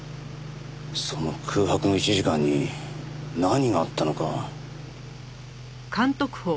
その空白の１時間に何があったのか。